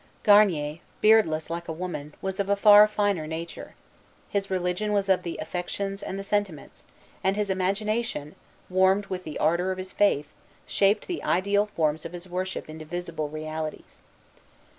Garnier, beardless like a woman, was of a far finer nature. His religion was of the affections and the sentiments; and his imagination, warmed with the ardor of his faith, shaped the ideal forms of his worship into visible realities.